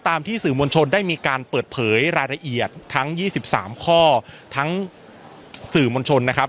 ที่สื่อมวลชนได้มีการเปิดเผยรายละเอียดทั้ง๒๓ข้อทั้งสื่อมวลชนนะครับ